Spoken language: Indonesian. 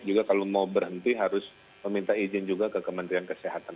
juga kalau mau berhenti harus meminta izin juga ke kementerian kesehatan